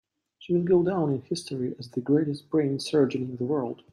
She will go down in history as the greatest brain surgeon in the world.